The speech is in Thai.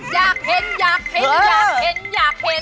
อยากเห็นอยากเห็นอยากเห็นอยากเห็น